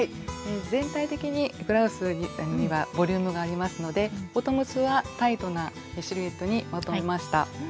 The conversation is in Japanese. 全体的にブラウスにはボリュームがありますのでボトムスはタイトなシルエットにまとめました。